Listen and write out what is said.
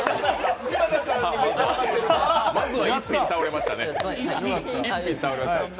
まずは１ピン倒れましたね。